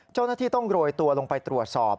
เจ้าหน้าที่ต้องโรยตัวลงไปตรวจสอบ